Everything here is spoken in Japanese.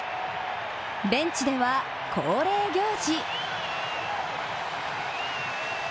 ベンチでは恒例行事。